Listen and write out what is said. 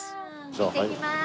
いってきます！